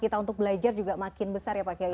kita untuk belajar juga makin besar ya pak kiai